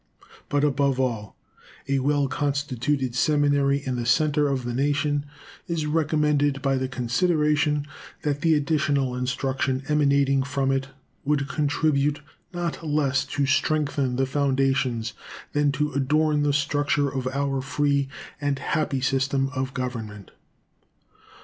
But, above all, a well constituted seminary in the center of the nation is recommended by the consideration that the additional instruction emanating from it would contribute not less to strengthen the foundations than to adorn the structure of our free and happy system of government.